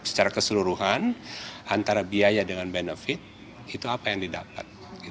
secara keseluruhan antara biaya dengan benefit itu apa yang didapat